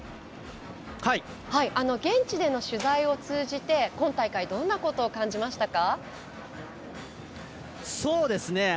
現地での取材を通じて今大会どんなことを感じましたか？